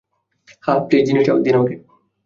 হ্যাঁ, প্লিজ, জিনিসটা দিন আমাকে।